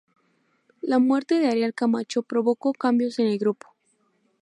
La muerte de Ariel Camacho provocó cambios en el grupo.